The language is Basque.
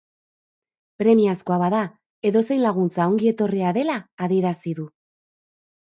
Premiazkoa bada, edozein laguntza ongi etorria dela adierazi du.